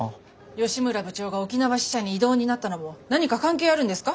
吉村部長が沖縄支社に異動になったのも何か関係あるんですか？